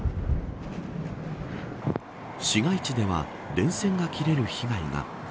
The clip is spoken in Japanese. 市街地では電線が切れる被害が。